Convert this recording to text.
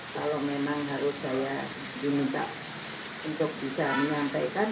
kalau memang harus saya diminta untuk bisa menyampaikan